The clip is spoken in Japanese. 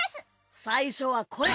最初はこれ！